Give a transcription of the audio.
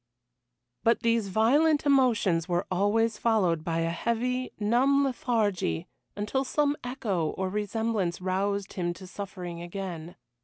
But these violent emotions were always followed by a heavy, numb lethargy until some echo or resemblance roused him to suffering again.